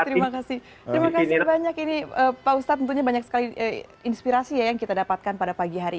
terima kasih banyak ini pak ustadz punya banyak sekali inspirasi yang kita dapatkan pada pagi hari